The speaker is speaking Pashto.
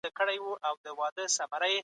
په نړۍ کي څه شی ثابت دی؟